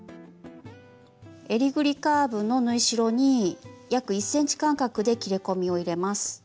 えりぐりカーブの縫い代に約１ｃｍ間隔で切り込みを入れます。